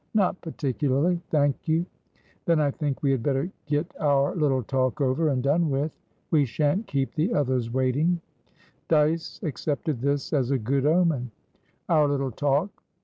"Not particularly, thank you." "Then I think we had better get our little talk over and done with. We shan't keep the others waiting." Dyce accepted this as a good omen. "Our little talk!"